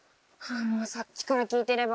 もうさっきから聞いてれば。